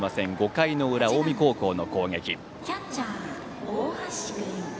５回の裏、近江高校の攻撃。